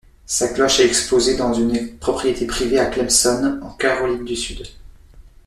Sa cloche est exposée dans une propriété privée à Clemson, en Caroline du Sud.